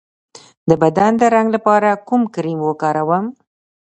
د بدن د رنګ لپاره کوم کریم وکاروم؟